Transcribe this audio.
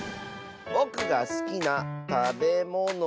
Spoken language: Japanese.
ぼくがすきなたべものは。